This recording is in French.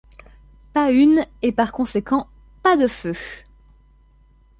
Pas une, et par conséquent pas de feu!